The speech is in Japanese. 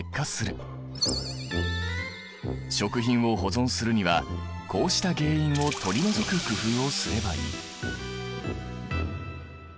食品を保存するにはこうした原因を取り除く工夫をすればいい。